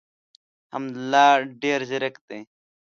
حمدالله ډېر زیرک دی.